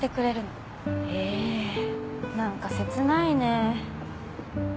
へぇ何か切ないね。